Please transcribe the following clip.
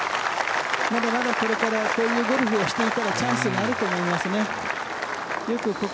まだまだこういうゴルフをしていたらチャンスがあると思いますね。